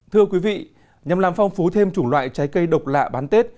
thưa quý vị nhằm làm phong phú thêm chủng loại trái cây độc lạ bán tết